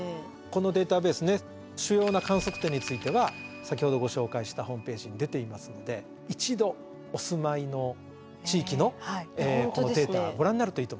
このデータベースね主要な観測点については先ほどご紹介したホームページに出ていますので一度お住まいの地域のデータご覧になるといいと思います。